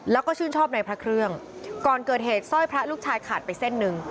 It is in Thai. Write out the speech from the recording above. แล้วก็ชื่นชอบในพระเครื่องก่อนเกิดเหตุสร้อยพระลูกชายขาดไปเส้นหนึ่ง